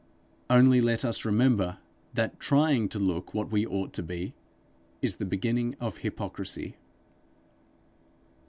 Only let us remember that trying to look what we ought to be, is the beginning of hypocrisy.